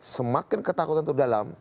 semakin ketakutan itu dalam